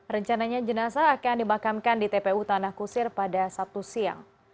rencananya jenazah akan dimakamkan di tpu tanah kusir pada sabtu siang